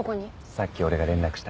さっき俺が連絡した。